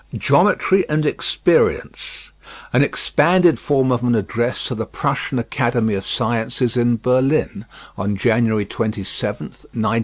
GEOMETRY AND EXPERIENCE An expanded form of an Address to the Prussian Academy of Sciences in Berlin on January 27th, 1921.